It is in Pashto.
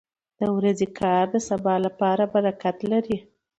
• د ورځې کار د سبا لپاره برکت لري.